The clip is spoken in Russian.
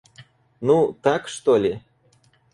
Ну, так, что ли?